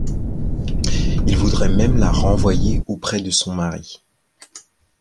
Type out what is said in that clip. Il voudrait même la renvoyer auprès de son mari.